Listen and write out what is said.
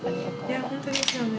いやあ本当ですよね。